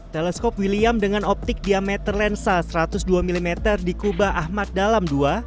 teleskop william dengan optik diameter lensa satu ratus dua mm di kuba ahmad dalam ii